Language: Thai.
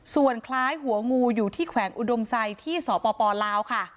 ส่วนคล้ายหัวงูอยู่ที่แขวงอุดมไซดที่สปลาวค่ะ